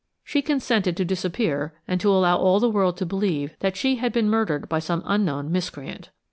She consented to disappear and to allow all the world to believe that she had been murdered by some unknown miscreant.